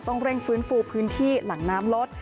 เร่งฟื้นฟูพื้นที่หลังน้ำลด